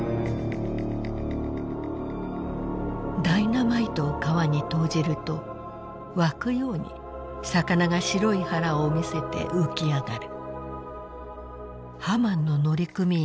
「ダイナマイトを川に投じると涌くように魚が白い腹をみせて浮きあがる」。